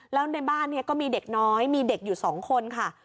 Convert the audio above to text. แล้วในบ้านนี้ก็มีเด็กน้อยมีเด็กอยู่๒คนค่ะ